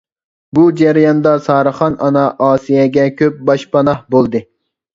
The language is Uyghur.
بۇ جەرياندا سارىخان ئانا ئاسىيەگە كۆپ باشپاناھ بولدى.